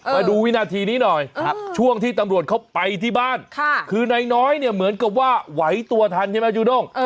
มาดูวินาทีนี้หน่อยช่วงที่ตำรวจเขาไปที่บ้านคือนายน้อยเนี่ยเหมือนกับว่าไหวตัวทันใช่ไหมจูด้ง